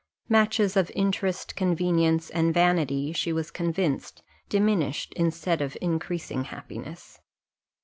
Matches of interest, convenience, and vanity, she was convinced, diminished instead of increasing happiness.